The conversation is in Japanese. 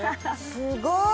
すごーい！